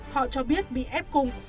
họ cho biết bị ép cung